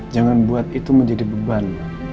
jangan buat itu menjadi beban